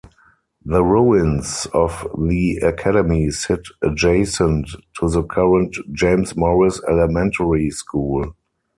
The ruins of the academy sit adjacent to the current James Morris Elementary school.